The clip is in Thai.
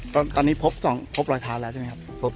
ตอนนี้พบรอยเท้าแล้วใช่ไหมครับ